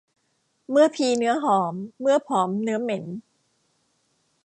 เมื่อพีเนื้อหอม เมื่อผอมเนื้อเหม็น